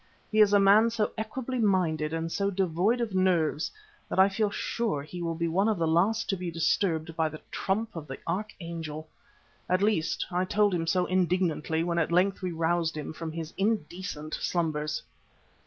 He is a man so equably minded and so devoid of nerves, that I feel sure he will be one of the last to be disturbed by the trump of the archangel. At least, so I told him indignantly when at length we roused him from his indecent slumbers.